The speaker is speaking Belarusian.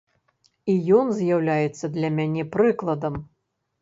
І ён з'яўляецца для мяне прыкладам.